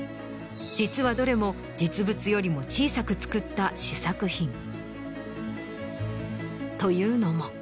実はどれも実物よりも小さく作った試作品。というのも。